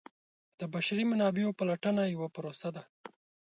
د بشري منابعو پلټنه یوه پروسه ده.